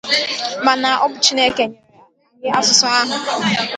mana ọ bụ Chineke nyere anyị asụsụ ahụ